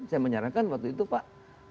saya menyarankan waktu itu pak